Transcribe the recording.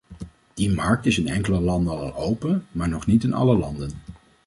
Die markt is in enkele landen al open, maar nog niet in alle landen.